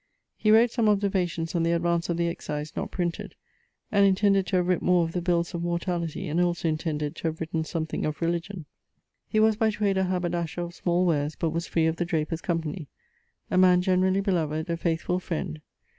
He wrott some 'Observations on the advance of the excise,' not printed; and intended to have writt more of the bills of mortality; and also intended to have written something of religion. He was by trade a haberdasher of small wares, but was free of the drapers' company. A man generally beloved; a faythfull friend.